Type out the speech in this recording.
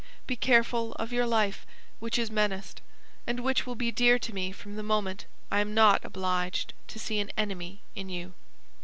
"Be careful of your life, which is menaced, and which will be dear to me from the moment I am not obliged to see an enemy in you.